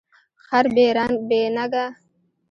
خر بی نګه